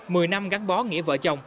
mười năm gắn bó nghiệp